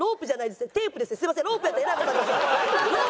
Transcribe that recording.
すいません。